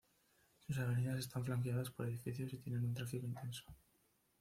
Sus avenidas están flanqueadas por edificios y tienen un tráfico intenso.